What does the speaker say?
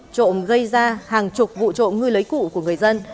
trộm gây ra hàng chục vụ trộm ngư lưới cụ của người dân